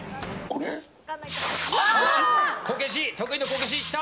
得意のこけしきた！